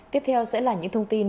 tiếp theo sẽ là những thông tin